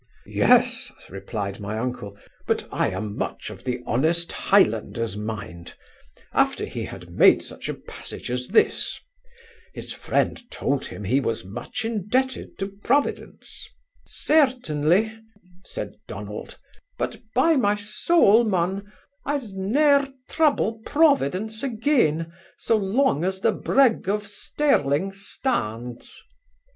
'Yes (replied my uncle), but I am much of the honest highlander's mind after he had made such a passage as this: his friend told him he was much indebted to Providence; "Certainly (said Donald), but, by my saul, mon, I'se ne'er trouble Providence again, so long as the brig of Stirling stands."